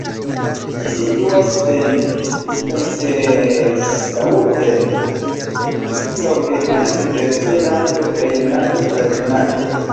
Ĝi situas en Kaiserslautern, hodiaŭ germana federacia lando Rejnlando-Palatinato.